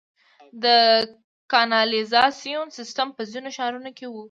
د کانالیزاسیون سیستم په ځینو ښارونو کې و